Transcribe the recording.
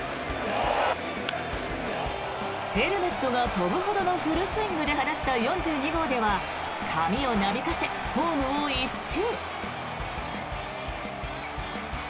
ヘルメットが飛ぶほどのフルスイングで放った４２号では髪をなびかせ、ホームを一周。